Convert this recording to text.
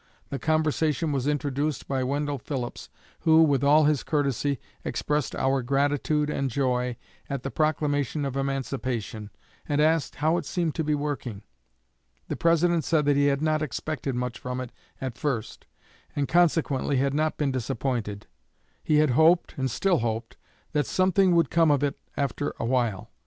The conversation was introduced by Wendell Phillips, who, with all his courtesy, expressed our gratitude and joy at the Proclamation of Emancipation, and asked how it seemed to be working. The President said that he had not expected much from it at first, and consequently had not been disappointed; he had hoped, and still hoped, that something would come of it after awhile.